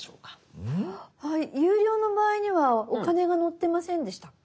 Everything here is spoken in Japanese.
有料の場合にはお金が載ってませんでしたっけ？